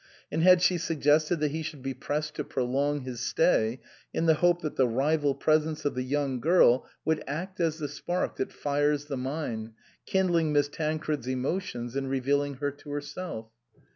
and had she suggested that he should be pressed to prolong his stay in the hope that the rival presence of the young girl would act as the spark that fires the mine, kindling Miss Tancred's emotions and revealing her to herself?